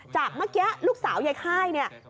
เมื่อกี้ลูกสาวยายค่ายเนี่ย